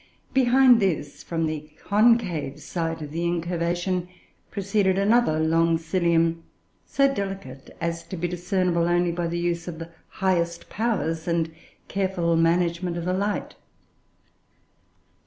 Behind this, from the concave side of the incurvation, proceeded another long cilium, so delicate as to be discernible only by the use of the highest powers and careful management of the light.